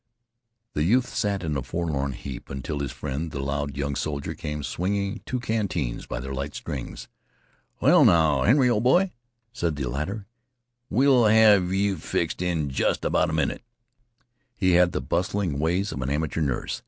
The youth sat in a forlorn heap until his friend the loud young soldier came, swinging two canteens by their light strings. "Well, now, Henry, ol' boy," said the latter, "we'll have yeh fixed up in jest about a minnit." He had the bustling ways of an amateur nurse.